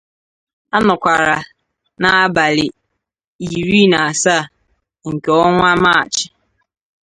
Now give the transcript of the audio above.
a nọkwara n'abalị iri na asaa nke ọnwa Maachị